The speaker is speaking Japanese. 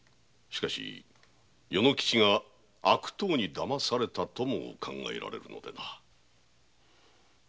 しかし与之吉が悪党にだまされたとも考えられるのでな。